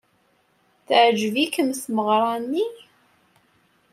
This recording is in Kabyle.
Teɛjeb-ikem tmeɣra-nni?